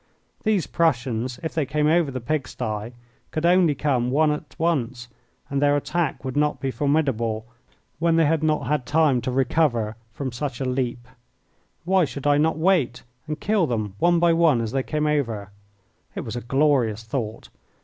These Prussians, if they came over the pig sty, could only come one at once, and their attack would not be formidable when they had not had time to recover from such a leap. Why should I not wait and kill them one by one as they came over? It was a glorious thought.